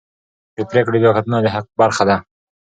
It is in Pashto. د پرېکړې بیاکتنه د حق برخه ده.